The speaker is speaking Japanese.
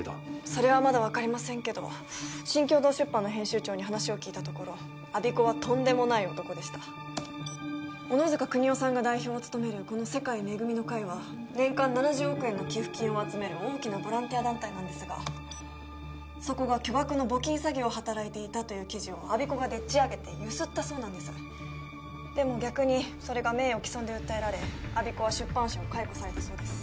それはまだ分かりませんけど新京堂出版の編集長に話を聞いたところ我孫子はとんでもない男でした小野塚邦男さんが代表を務めるこの世界恵みの会は年間７０億円の寄付金を集める大きなボランティア団体なんですがそこが巨額の募金詐欺を働いていたという記事を我孫子がでっち上げてゆすったそうなんですでも逆にそれが名誉毀損で訴えられ我孫子は出版社を解雇されたそうです